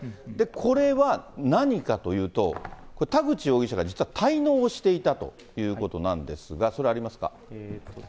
これは何かというと、田口容疑者が実は滞納をしていたということなんですが、それ、ありますか？